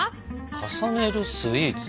重ねるスイーツ？